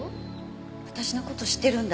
私の事知ってるんだ。